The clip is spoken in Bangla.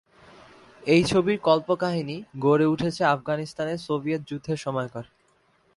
এই ছবির কল্পকাহিনী গড়ে উঠেছে আফগানিস্তানে সোভিয়েত যুদ্ধের সময়কার।